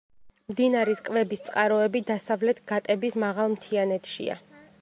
მდინარის კვების წყაროები დასავლეთ გატების მაღალ მთიანეთშია.